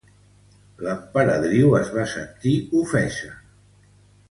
L'emperadriu es va sentir ofesa.